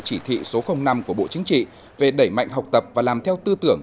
chỉ thị số năm của bộ chính trị về đẩy mạnh học tập và làm theo tư tưởng